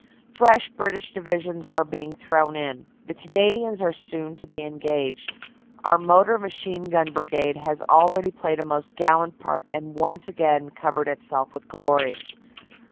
Fresh British Divisions are being thrown in. The Canadians are soon to be engaged. Our Motor Machine Gun Brigade has already played a most gallant part and once again covered itself with glory.